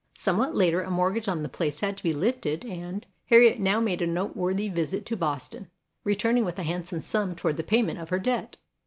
Somewhat later a mort gage on the place had to be lifted and HARRIET TUBMAN 37 Harriet now made a noteworthy visit to Boston, returning with a handsome sum toward the payment of her debt.